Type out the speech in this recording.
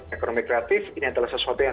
ekonomi kreatif ini adalah sesuatu yang